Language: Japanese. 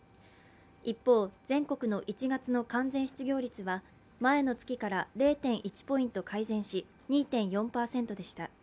一方、全国の１月の完全失業率は前の月から０．１ポイント改善し、２．４％でした。